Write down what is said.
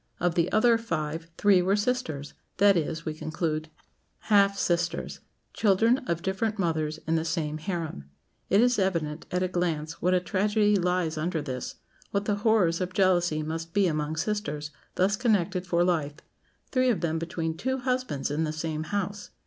Of the other five three were sisters that is, we conclude, half sisters; children of different mothers in the same harem. It is evident, at a glance, what a tragedy lies under this; what the horrors of jealousy must be among sisters thus connected for life; three of them between two husbands in the same house!